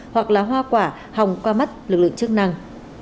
hoặc là hoa quả hồng qua mắt lực lượng chức năng